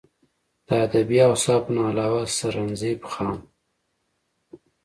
د ادبي اوصافو نه علاوه سرنزېب خان